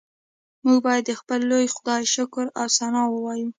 موږ باید د خپل لوی خدای شکر او ثنا ووایو